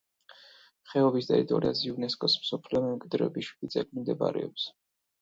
ხეობის ტერიტორიაზე იუნესკოს მსოფლიო მემკვიდრეობის შვიდი ძეგლი მდებარეობს.